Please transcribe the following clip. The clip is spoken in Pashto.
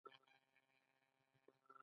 وزې د کلیوالو اقتصاد بنسټ جوړوي